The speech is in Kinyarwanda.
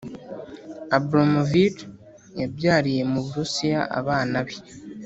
abramovic yabyariye mu burusiya abana be